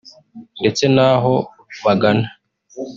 ndetse naho bagana